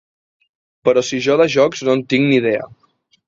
Però si jo de jocs no en tinc ni idea.